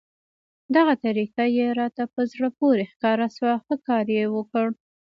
دغه طریقه یې راته په زړه پورې ښکاره شوه، ښه کار یې وکړ.